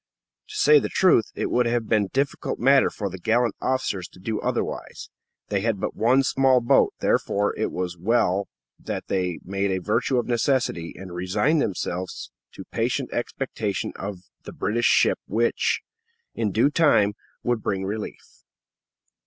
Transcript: To say the truth, it would have been a difficult matter for the gallant officers to do otherwise; they had but one small boat; therefore, it was well that they made a virtue of necessity, and resigned themselves to patient expectation of the British ship which, in due time, would bring relief.